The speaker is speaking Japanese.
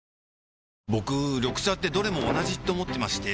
僕緑茶ってどれも同じって思ってまして